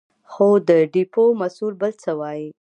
خو د ډېپو مسوول بل څه وايې.